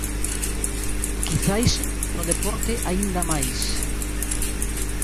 Quizais no deporte aínda máis.